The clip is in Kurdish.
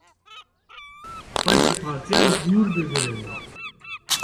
Xwe ji partiyan dûr bigirin.